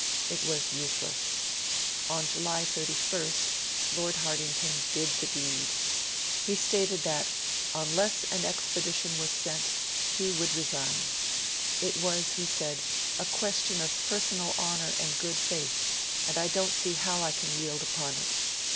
It was useless. On July 31st, Lord Hartington did the deed. He stated that, unless an expedition was sent, he would resign. It was, he said, 'a question of personal honour and good faith, and I don't see how I can yield upon it'.